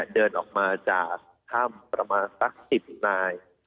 เดินออกมาจากถ้ำประมาณสัก๑๐นาย